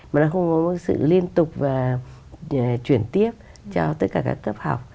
mà nó không có một cái sự liên tục và chuyển tiếp cho tất cả các cấp học